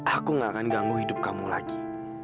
aku gak akan ganggu hidup kamu lagi